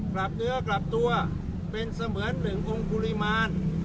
เนื้อกลับตัวเป็นเสมือนหนึ่งองค์ปริมาณ